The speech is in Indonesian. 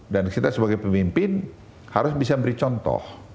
dan kita sebagai pemimpin harus bisa beri contoh